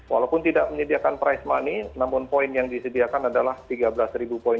walaupun tidak menyediakan price money namun poin yang disediakan adalah tiga belas poin